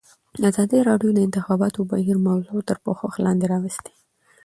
ازادي راډیو د د انتخاباتو بهیر موضوع تر پوښښ لاندې راوستې.